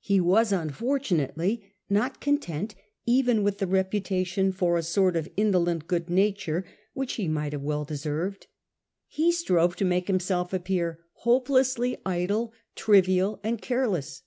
He was unfortunately not content even with the reputation for a sort of indolent good nature 1837. LORD MELBOURNE. 27 which he might have well deserved. He strove to make himself appear hopelessly idle, trivial, and care less.